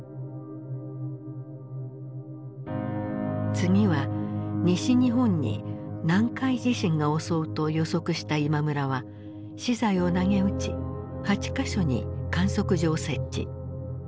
次は西日本に南海地震が襲うと予測した今村は私財をなげうち８か所に観測所を設置。